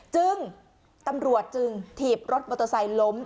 จึงตำรวจจึงถีบรถมอเตอร์ไซค์ล้ม